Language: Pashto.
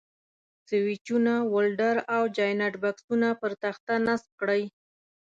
سویچونه، ولډر او جاینټ بکسونه پر تخته نصب کړئ.